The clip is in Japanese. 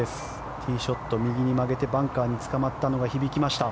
ティーショット右に曲げてバンカーにつかまったのが響きました。